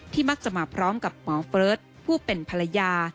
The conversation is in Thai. มักจะมาพร้อมกับหมอเฟิร์สผู้เป็นภรรยา